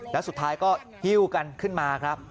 แล้วสุดท้ายก็หิ้วกันขึ้นมาครับ